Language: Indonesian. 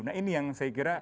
nah ini yang saya kira